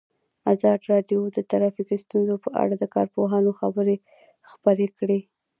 ازادي راډیو د ټرافیکي ستونزې په اړه د کارپوهانو خبرې خپرې کړي.